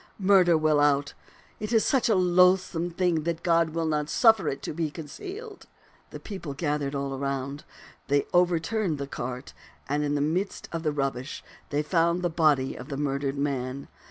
Murder will out. It is such a loathsome thing that God will not suf fer it to be concealed. The people gathered all around. They overturned the cart, and in the midst of the rubbish they found the body of the murdered man.